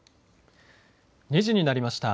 ２時になりました。